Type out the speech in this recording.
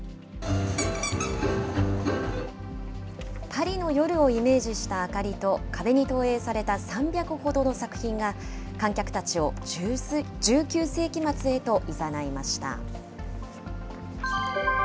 パリの夜をイメージした明かりと壁に投影された３００ほどの作品が、観客たちを１９世紀末へといざないました。